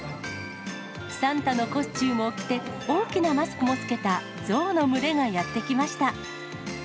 サンタのコスチュームを着て、大きなマスクも着けた象の群れがやって来ました。